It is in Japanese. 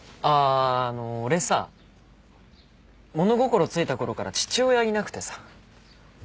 あの俺さ物心ついたころから父親いなくてさ。